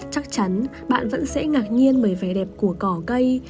chắc chắn bạn vẫn sẽ ngạc nhiên bởi vẻ đẹp của cỏ cây